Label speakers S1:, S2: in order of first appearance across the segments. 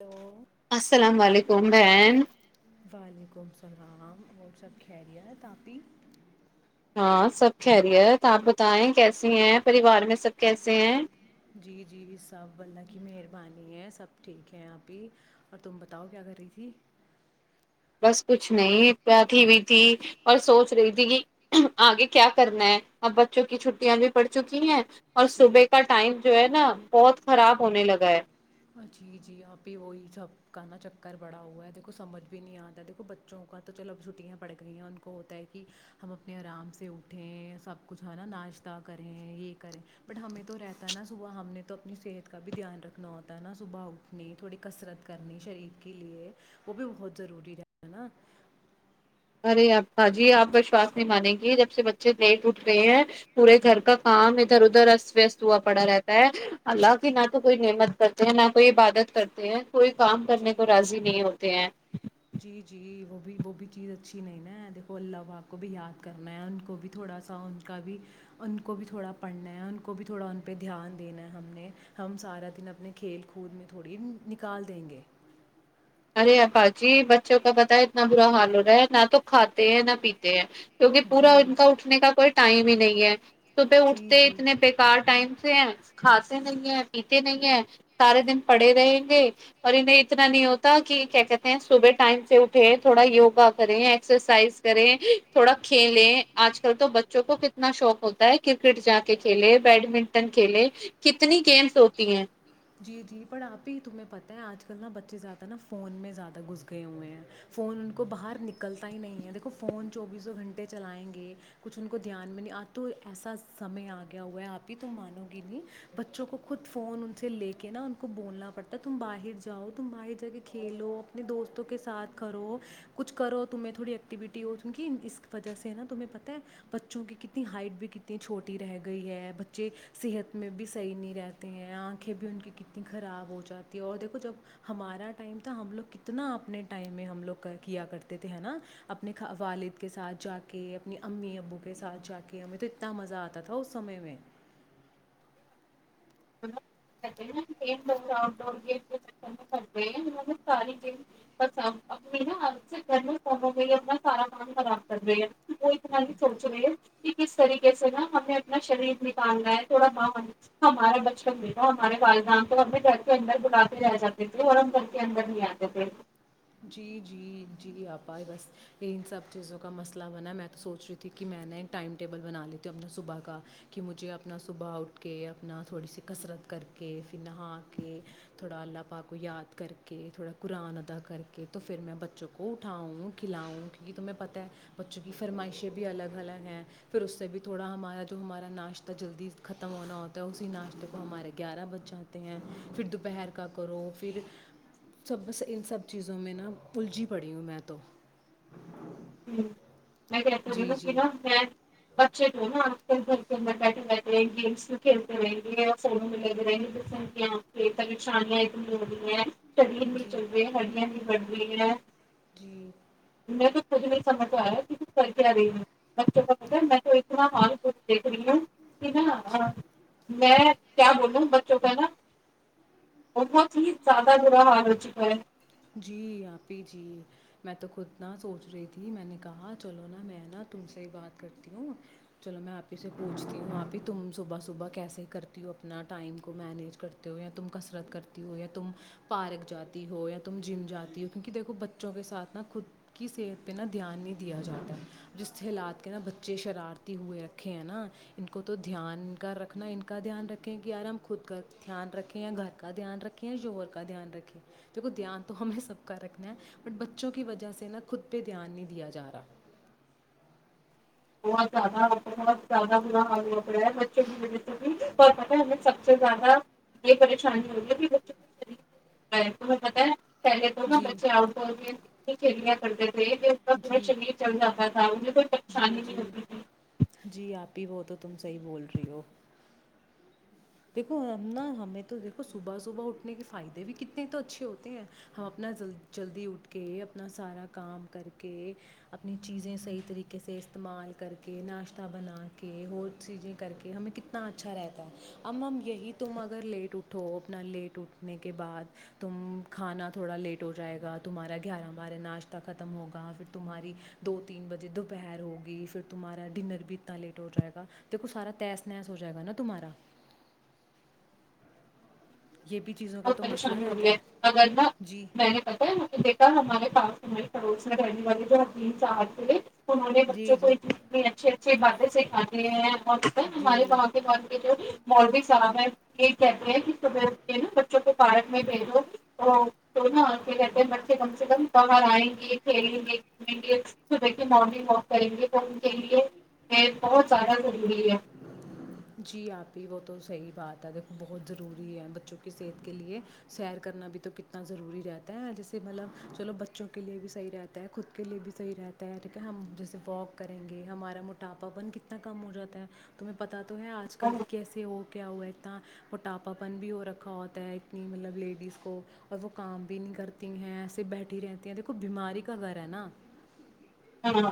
S1: hello
S2: السلام علیکم بین
S1: وعلیکم السلام اور سب خیری تاپی
S2: ہاں سب خہری ہے تو آپ بتائیں کیسی ہیں پریوار میں سب کیسے ہیں
S1: جی جی بھی سب واللا کی میر [unintelligible]
S2: بس کچھ نہیں بیٹھی ہوئی تھی اور سوچ رہی تھی کہ آگے کیا کرنا ہے اب بچوں کی چھٹیاں بھی پڑ چکی ہیں اور
S1: جی
S2: صبح کا ٹائم جو ہے نا بہت خراب ہونے لگا ہے
S1: ہاں جی جی یہاں پہ وہی سب گانا چکر پڑا ہوا ہے دیکھو سمجھ بھی نہیں اتا دیکھو بچوں کا تو چلو چھٹیاں پڑ گئی ہیں ان کو ہوتا ہے کی ہم اپنے ارام سے اٹھیں سب کچھ ہ ناشتہ کریں یہ کریں بٹ ہمیں تو رہتا ہے نا صبح ہم نے تو اپنی صحت کا بھی دھیان ہے نا صبح اٹھنی تھوڑی کسرت کرنی شریر کے لیے وہ بھی بہت ضروری ہےتا نا
S2: ارے آپا جی آپ وشواس نہیں مانیں گی جب سے بچے تٹ اٹھ رہے ہیں پورے
S1: جی
S2: گھر کا کام ادھر ادھر اسست وست چا پڑا رہتا ہے اللہ کی نہ تو کوئی نعمت کرتے ہیں نہ کوئی عبادت کرتے ہیں کوئی کام کرنے کو
S1: جی
S2: راضی نہیں ہوتے ہیں
S1: [inaudible]
S2: ارےپا جی بچوں کا پتا ہے اتنا برا حال ہو رہا ہے نہ تو کھاتے ہیں نہ پیتے ہیں کیونکہ پورا
S1: جی
S2: ان کا اٹھنے کا کوئی ٹائم ہی نہیں نہیں ہے ص پہ
S1: جی
S2: اٹھتے
S1: جی
S2: اتنے بے کار ٹائم سے ہیں کھاتے نہیں ہے پیتے نہیں ہیں سارے دن پڑے رہیں گے اور انہیں اتنا نہیں ہوتا کہ کیا کہتے ہیں صبح ٹائم سے اٹھے تھوڑا یوگا کریں ایکسرسائز کریں تھوڑا کھیلیں آج کل تو بچوں کو کتنا شوق ہوتا ہے کرکٹ جا کے کھیلے بیڈمنٹن کھیلے کتنی گیمس ہوتی ہیں
S1: جی جی پر آپ ہی تمہیں پتہ ہے آج کل نا بچے زیادہ نا فون میں زیادہ گھس گئے ہوئے ہیں فون ان کو باہر نکلتا ہی نہیں ہے دیکھو فون چوبیسوں گھنٹے چلائیں گے کچھ ان کو دھیان میں نہیں آپ تو ایسا سمے آ گیا ہوا ہے آپ ہی تم مانو گی نہیں بچوں کو خود فون ان سے لے کے ان کو بنا پڑتا تم باہر جاؤ تم باہر جا کے کھیلو اپنے دوستوں کے ساتھ کرو کچھ کرو تمیں تھوڑی ایکٹیوٹی ہوک اس وجہ سے نا تمہیں پتہ ہے بچوں کی کتنی ہائٹ بھی کتنی چھوٹی رہ گئی ہے بچے صحت میں بھی صحیح نہیں رہتے ہیں آنکھیں بھی ان کی کتنی خراب ہو جاتی ہے اور دیکھو جب ہمارا ٹائم تھا ہم لوگ کتنا اپنے ٹائم میں ہم لوگ کیا کرتے تھے نا اپنے والد کے ساتھ جا کے اپنی امی ابو کے ساتھ جا کے ہمیں تو اتنا مزہ آتا تھا اس سمے میں
S2: آٹ ڈورم کرتےگ ساری گم اپنی نا گھر فوں میں ہی اپنا سارا کام خراب کر رہے ہیں وہ اتنا ہی سوچ رہے ہیں کہ کس طریقے سے نا ہمیں اپنا شریر نکالنا ہے تھوڑا بھاؤنا ہمارا بچپن بھی تھاا ہمارے والدہان تو ہم بھی گھر کے اندر بٹاتے رہ جاتے تھے اور ہم گھر کے اندر نہیں آتے تھے
S1: جی جی جی آپائی بس ان سب چیزوں کا مسئلہ بنا میں تو سوچ رہی تھی کہ میں نے ٹائم ٹیبل بنا لیتی ہوں اپنا صبح کا کہ مجھے اپنا صبح اٹھ کے اپنا تھوڑی سی کسرت کر کے پھر نہا کے تھوڑا اللہ پاک کو یاد کر کے تھوڑا قرآن ادا کر کے تو پھر میں بچوں کو اٹھاؤں کھلاؤں کیونکہ تمہیں پتہ ہے بچوں کی فرمائشیں بھی الگ الگ ہیں پھر اس سے بھی تھوڑا ہمارا جو ہمارا ناشتہ جلدی ختم ہونا ہوتا ہے اسی ناشتے کو ہمارے گیارہ بج جاتے ہیں پھر دوپہر کا کرو پھر سب بس ان سب چیزوں میں نا پلجھی پڑی ہوں میں تو
S2: [inaudible]
S1: جی جی
S2: میںس بچے جو نا آج کل گھر کے اندر بیٹھے بیٹھے ہیں گیمس بھی کھیلتے رہیں گے اور فونوں میں لگے رہیں گے جس یہاں پہ پریشانیاں اتنی ہو رہی ہیں چلین بھی
S1: جی
S2: چل رہے ہڈیا بھی بڑ بلی گ
S1: جی
S2: م تجھ نہیں سمجھ آیا کہ ک کر کے آ رہی میں میں تو اترح مالھ دیکھ رہی ہوں ا میں کیا بولوں ہ بچوں کا نا بہت ہی زیادہ برا حال ہو چکا ہے
S1: جی آپ ہی جی میں تو خود نہ سوچ رہی تھی میں نے کہا چلو نا میں نا تم سے ہی بات کرتی ہوں چلو میں آپ ہی سے پوچھتی ہوں آپ ہی تم صبح صبح کیسے کرتی ہو اپنا ٹائم کو مینیج کرتے ہو یا تم کسرت کرتی ہو یا تم پارک جاتی ہو یا تم جم جاتی ہو کیونک دیکھ بچوں کے ساتھ نا خود کی صحت پہ نا دھیان نہیں دیا جاتا ہے جس حالات کے نا بچے شرارتی ہوئے رکھے ہیں نا ان کو تو دھیان کا رکھنا ان کا دھیان رکھیں کہ یار ہم خود کا دھیان رکھیں یا گھر کا دھیان رکھیں یا ہور کا دھیان رکھیں دیکھو دھیان تو ہمیں سب کا رکھنا ہے بٹ بچوں کی وجہ سے نا خود پہ دھیان نہیں دیا جا رہا
S2: بہت زیادہ بہت زیادہ برا حال ہو پا ہے بچوں کی وجہ سے بھی ہے ہمیں سب سے زیادہ یہ پریشانی ہوتی ہے کہ بچوں کا رہا ہے ہمیں پت ہے پہلے تو نا
S1: جی
S2: بچے آؤٹ ہو گئے تھے کھیلیا کرتے کا تھوڑا
S1: جی
S2: شریر چل جا تھاے کو
S1: جی جی جی آپ ب وہ تو تم صحیح بول رہی ہو دیکھو ہم نا ہمیں تو دیکھو صبح صبح اٹھنے کے فائدے بھی کتنے تو اچھے ہوتے ہیں ہم اپنال جلدی اٹھ کے اپنا سارا کام کر کے اپنی چیزیں صحیح طریقے سے استعمال کر کے ناشتہ بنا کے اور چیزیں کر کے ہمیں کتنا اچھا رہتا ہے اب مم یہی تم اگر لیٹ اٹھو اپنا لیٹ اٹھنے کے بعد تم کھانا تھوڑا لیٹ ہو جائے گا تمہارا گیارہ بارہ ناشتہ ختم ہوگا پھر تمہاری دو تین بجے دوپہر ہوگی پھر تمہارا ڈنر بھی اتنا لیٹ ہو جائے گا دیکھو سارا تیس نیس ہو جائے گا نا تمہارا یہ بھی چیزوں کا
S2: بہت
S1: تو مسئلہ
S2: پریشانی ہو
S1: رہتا
S2: رہی ہے اگر ن
S1: جی
S2: میں نے پتا ہے بیٹا ہمارے پاس تاری پروسنا رہنے والے جو تین چ تھے انہوں نے
S1: جی
S2: بچوں کو
S1: جی
S2: ات اچھے اچھی باتیں سیککھاتی ہیں ب ہمارے
S1: جی
S2: وہاں کے گھر کی جوڑی مول بھی صاحب ہے یہ کہتے ہیںب نا جو کہ پارک میں بھیجو وہ تو نہ کہتے ہیں بچے کم سے کم کر آئیں گے کھیلیں گے مارنگ واک کریں گے تو ان کے لیے بہت زیادہ ضروری ہے
S1: جی آپ ہی وہ تو صحیح بات ہے دیکھو بہت ضروری ہے بچوں کی صحت کے لیے سیر کرنا بھی تو کتنا ضروری رہتا ہے جیسے مطلب چلو بچوں کے لیے بھی صحیح رہتا ہے خود کے لیے بھی صحیح رہتا ہے ٹھیک ہے ہم جیسے واک کریں گے ہمارا موٹاپا ون کتنا کم ہو جاتا ہے تمہیں پت ہیں آج کل
S2: اور
S1: کیسے ہو کے ہوا اتناٹاپا پن بھی ہو رکھا ہوتا ہے اتنی ملب لیڈیز کو اور وہ کام بھی نہیں کرتی ہیں ایسے بیٹھی رہتی ہیں دیکھو بیماری کا گھر ہے نا
S2: ہاں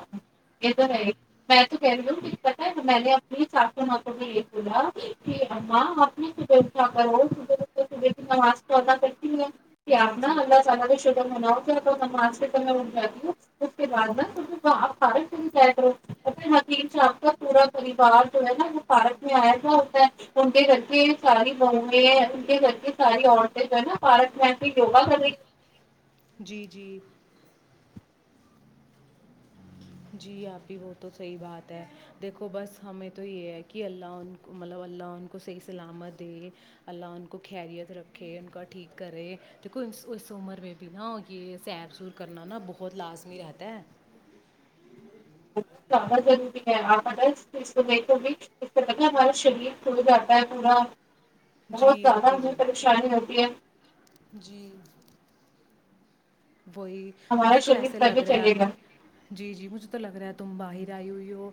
S2: یہ تو ہے میں تو کہہ رہ ہوں دققت ہے تو میں نے اپنی ساسو ہاتھوں میں یہ بولا کہ ہاں آپ نے صبح اٹھا کرو صبح صبح کی نماز کو ادا کر کہ
S1: جی
S2: آپنا
S1: جی
S2: اللہ تالہ تو شدہ مناؤ کیا تو سمج سے تو اٹھ جاتی ہوں اس کے بعد نا پ پارک میں کر حقیق سے آپ کا پورا پریوار جو ہے نا وہ پارک میں آیا تھاا ہوتا ہے ان کے گھر کے ساری بہیں ان کے گھر کے ساری عورتیں جو ہے نا پارک میں آ کے یوگا کر رہی
S1: جی جی جی آپ کی بلکل سہی بات ہے اللہ انکو سہی سلامت رکھے اس امر مے بھی سہی وو کرنا بہت لجمی رہتا ہے
S2: ب زیادہ ضروری ہے آپ اڈل بھی ہمارا شریر کو جاتا ہے پورا بہت
S1: جی آپ
S2: زیادہ
S1: ہی
S2: ہمیں
S1: جی
S2: پریشانی ہوتی ہے
S1: جی وہی
S2: ہمارا
S1: مجھے تو
S2: شریر
S1: ایسے لگ
S2: تبھی
S1: رہے ہے
S2: چلے
S1: آپ
S2: گا
S1: ہی جی جی مجھے تو لگ رہا تم باہر آئی ہوئی ہو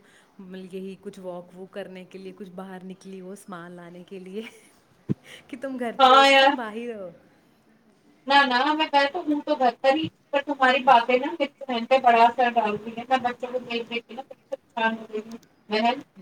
S1: یہی کچھ واک وک کرنے کے لیے کچھ باہر نکلی ہو سامان لانے کے لیے کہ تم گھر پہ ہو
S2: ہاں
S1: کہ
S2: یار
S1: تم باہر ہو
S2: نہ نہ میں گ تو ہ تو گھر کر پر تمہاری بابے نہ ک رہ بڑا اثر ڈالتی ہے بچوں کو دیکھ دیک کے نہ پریش م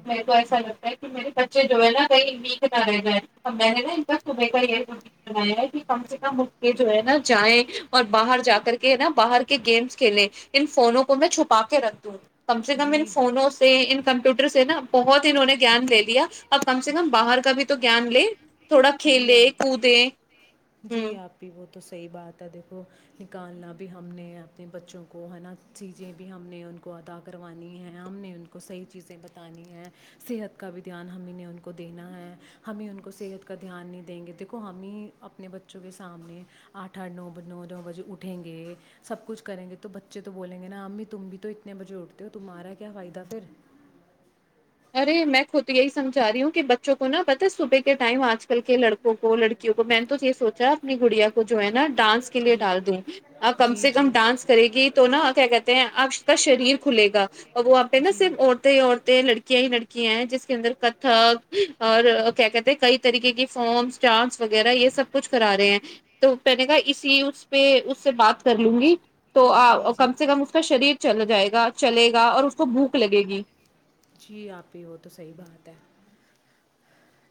S2: میرے کو ایسا لگتا ہے کہ میرے بچے جو ہے نا کہیں ویک نہ رہتا ہے تو میں نے نا ایک ب صبح کا یہی بنایا ہے کہ کم سے کم یہ جو ہے نا جائیں اور باہر جا کر کے ہے نا باہر کے گیمس کھیلیں ان فونوں کو میں چھپا کے رکھ دوں کم سے کم ان
S1: جی
S2: فونوں سے ان کمپیوٹر سے نا بہت انہوں نے جان لیا اب کم سے کم
S1: جی
S2: باہر کا بھی تو جان لے تھوڑا کھیل
S1: جی آپ
S2: کودے ہوں
S1: جی آپ وہ تو صحیح بات ہے دیکھو نکالنا بھی ہم نے اپنے بچوں کو ہے نا چیزیں بھی ہم نے ان کو ادا کروانی ہیں ہم نے ان کو صحیح چیزیں بتانی ہیں صحت کا بھی دھیان ہمیں نے ان کو دینا ہے ہمیں ان کو صحت کو کا دھیان نہیں دیں گے دیکھو ہم ہی اپنے بچوں کے سامنے آٹھ آٹھ نو نو نو بجے اٹھیں گے سب کچھ کریں گے تو بچے تو بولیں گے نا امی تم بھی تو اتنے بجے اٹھتے ہو تمہارا کیا فائدہ پھر
S2: ارے میں خود یہی سمجا رہی ہوں کہ بچوں کو نا پتا صبح کے ٹائم آج کل کے لڑکوں کو لڑکیوں کو میں نے تو یہ سوچا اپنی گڑیا کو جو ہے نا ڈانس کے لیے
S1: جی
S2: ڈال دوں آپ کم
S1: جی
S2: سے کم
S1: جی
S2: ڈانس کرے گی تو نا کیا کہتے ہیں آپ کا شریر کھلے گا ا وہ آپہ نار
S1: جی
S2: عورت ہی عورت لڑکی لڑکیاں ہیں جس کے اندر کتھک اور کیا کہتے ہیں کئی طریقے کی فارمس ڈانس وغیرہ یہ سب کچھ کرا رہے ہیں تو پہ نے کا اسی اس پہ اس سے بات کر لوں گی تو
S1: جی جی
S2: کم سے کم اس کا شریر چل جائے گا چلے گا اور اس کو بھوک لگے گی
S1: جی آپ ہی وہ تو صحیح بات ہے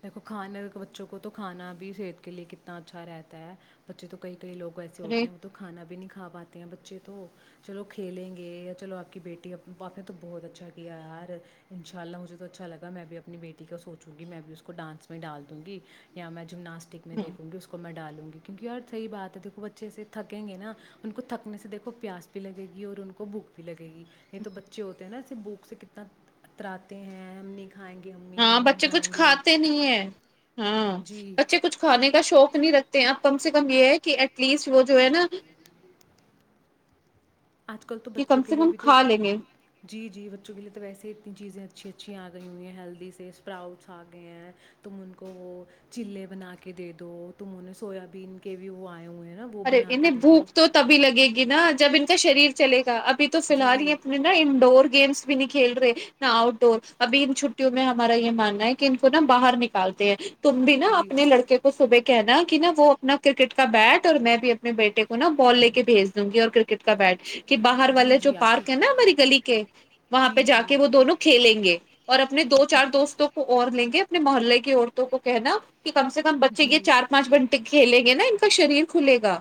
S1: دیکھو کھانے بچوں کو تو کھانا بھی صحت کے لیے کتنا اچھا رہتا ہے بچے تو کئی لو ایسے ہوتے ہیں وہ
S2: ارے
S1: تو کھانا بھی نہیں کا پاتے بچے تو چلو کھیلیں گے یا چلو آپ کی بیٹی آاپ نے تو بہت اچھا کیا یار ان شاء اللہ مجھے تو اچھا لگا میں بھی اپنی بیٹی کا سوچوں گی میں بھی اس کو کو ڈانس میں ڈال دوں گی یا میں جمناسٹک میں دیکھوں گی اس کو میں ڈالوں گی کیونکہ اور صحیح بات ہے دھو بچے ای سےے تھکیں گے نا ان کو تھکنے سے دیکھو پیاس بھی لگے گی اور ان کو بھوک بھی لگے گی یہ تو بچے ہوتے ہیں نا بوک سے کتنا اتر آتے ہیں ہم نے کھائیں گے امی ہم
S2: ہاں
S1: نہیں
S2: بچے کچھ
S1: کھائیں گے
S2: کھاتے نہیں ہے ہاں
S1: جی
S2: بچے کچھ کھانے کا شوق نہیں رکھتے آپ کم سے کم یہ ہے کہ ایٹ لیسٹ وہ جو ہے نا
S1: آج کل تو
S2: کہ
S1: بچوں
S2: کم
S1: کے
S2: سے
S1: لیے
S2: کم
S1: بھی تو
S2: کھا لیں گے
S1: جی جی بچوں کے لیے تو ویسے ہی اتنی چیزیں اچھی اچھی آ گئی ہوئی ہیں ہیلدی سے اسپراؤٹس آ گئے ہیں تم ان کو وہ چلے بنا کے دے دو تمہوں نے سویابین کے بھی وہ آنے
S2: ارے انہیں بھوک تو تبھی لگے گی نا جب ان کا شریر چل گا اب تو فی الحال
S1: جی
S2: ہی اپنے نا انڈور گیمس بھی نہیں کھیل رہے نہا آؤٹ ڈور ابھی ان چھٹیوں میں ہمارا یہ ماننا ہے کہ ان کو نا باہر نکالتے ہیں تم بھی نا
S1: جی
S2: اپنے لڑکے کو صبح کہنا کہ نا وہ اپنا کرکٹ کا بیٹ اور میں بھی اپنے بیٹے کو نا بالے کے بھیج دوں گی اور کرکٹ کا بیٹ
S1: جی
S2: کہ باہر
S1: جی
S2: والے جو
S1: جی آپ ہی
S2: پارک ہے نا ہماری گلی کے وہاں پہ
S1: جی
S2: جا کے
S1: جی
S2: وہ دونوں کھیلیں گے اور اپنے دو چار دوستوں کو اور لیں گے اپنے محلے کی عورتوں کو کہنا کہ کم سے کم بچے یہ
S1: جی
S2: چار پانچ بنٹے کھیلے نا ان کا شریعر کھلے گا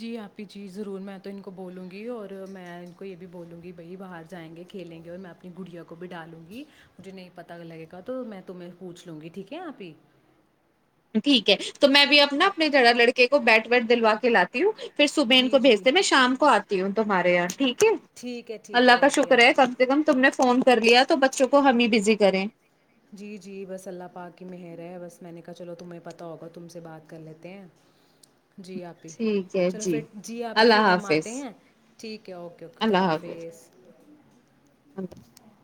S1: جی آپ ہی جی ضرور میں تو ان کو بولوں گی اور میں ان کو یہ بھی بولوں گی بھائی باہر جائیں گے کھیلیں گے اور میں اپنی گڑیا کو بھی ڈالوں گی مجھے نہیں پت لگے گا تو میں تمہیں پوچھ لوں گی ٹھیک ہے آپ ہی
S2: ٹھیک ہے تو میں بھی اپنا اپنے جرا لڑکے کو بیٹ بیٹ دلوا کے لاتی ہوں پھر صبح ان
S1: جی
S2: کو
S1: جی
S2: بھیجتے میں شام کو آتی ہوں تمہارے یہاں ٹھیک ہے
S1: ٹھیک ہے ٹھیک
S2: اللہ
S1: ہے
S2: کا
S1: اوکے
S2: شکر ہے
S1: آتی
S2: کم سے کم تم نے فون کر لیا تو بچوں کو ہم ہی بزی کریں
S1: جی جی بس اللہ پاک کی مہر ہے بس میں نے کہا چلو تمہیں پتتا ہوگا تم سے بات کر لیتے ہیں جی آپ ہی
S2: ٹھیک ہے
S1: چلو پھر جی آپ
S2: اللہ
S1: پھر ہم آتے
S2: حافظ
S1: ہیں ٹھیک ہے اوکے خدا حافظ
S2: ا [unintelligible] [inaudible]